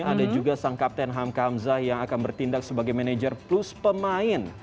ada juga sang kapten hamka hamzah yang akan bertindak sebagai manajer plus pemain